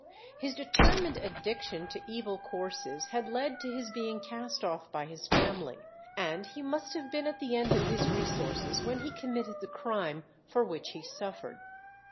His determined addiction to evil courses had led to his being cast off by his family, and he must have been at the end of his resources when he committed the crime for which he suffered.